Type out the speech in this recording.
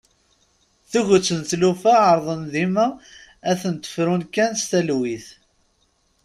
Tuget n tlufa ɛerḍen dima ad tent-frun kan s talwit.